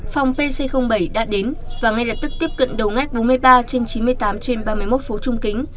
phòng pc bảy đã đến và ngay lập tức tiếp cận đầu ngách bốn mươi ba trên chín mươi tám trên ba mươi một phố trung kính